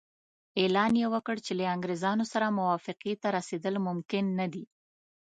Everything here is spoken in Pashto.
اعلان یې وکړ چې له انګریزانو سره موافقې ته رسېدل ممکن نه دي.